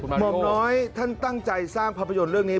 หมอมน้อยท่านตั้งใจสร้างภาพยนตร์เรื่องนี้